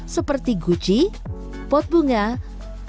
seperti guci pot bunga dan